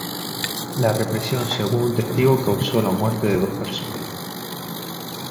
La represión según un testigo causó la muerte de dos personas.